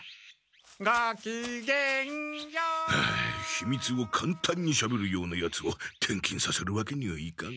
「ごきげんよう」ひみつをかんたんにしゃべるようなヤツを転勤させるわけにはいかん。